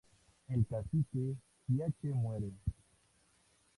El cacique-piache muere.